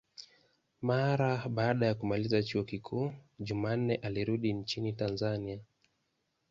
Mara baada ya kumaliza chuo kikuu, Jumanne alirudi nchini Tanzania.